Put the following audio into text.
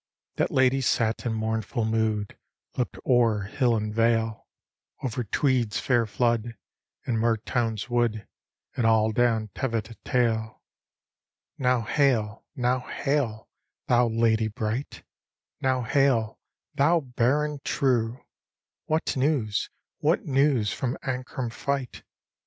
That lady sat in mournful mood ; Look'd o'er hill and vale; Over Tweed's fair flood, and Mertoun's wood. And all down Teviotdale. " Now hail, now hail, thou lady brightl "^" Now hail, thou Baron, truci What news, what news from Ancram fight?